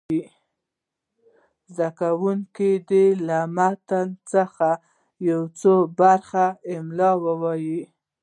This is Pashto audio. زده کوونکي دې له متن څخه یوه برخه املا ووایي.